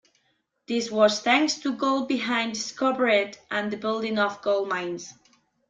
This was thanks to gold being discovered and the building of gold mines.